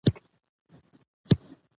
دوی په شیانو کې د تشې په لټه کې وي.